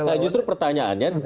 nah justru pertanyaannya